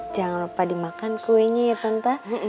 jangan lupa dimakan kuenya ya tentu